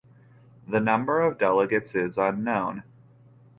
The number of delegates is unknown.